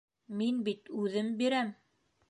Мин бит үҙем бирәм!